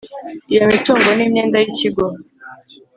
iyo mitungo n imyenda y ikigo.